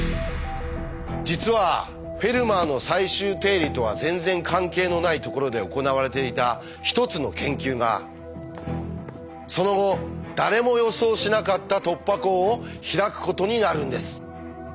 実は「フェルマーの最終定理」とは全然関係のないところで行われていた一つの研究がその後誰も予想しなかった突破口を開くことになるんです。